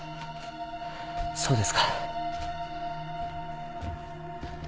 そうですか。